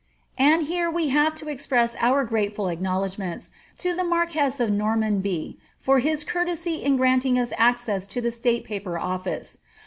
And here we have to ejq>ress our grateful acknowledgments to the marquess of Normanby for his courtesy in granting us access to the State Paper Office.